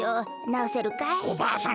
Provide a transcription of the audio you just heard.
おばあさん